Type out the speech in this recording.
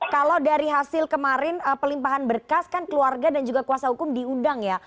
kalau dari hasil kemarin pelimpahan berkas kan keluarga dan juga kuasa hukum diundang ya